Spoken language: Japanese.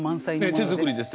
ええ手作りです